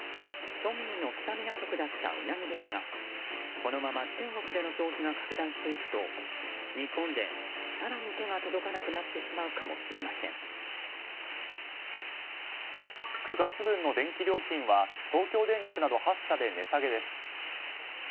庶民のスタミナ食だったウナギですがこのまま中国での消費が拡大していくと日本で更に手が届かなくなってしまうかも９月分の電気料金は東京電力など８社で値下げです。